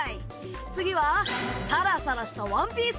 次はサラサラしたワンピース。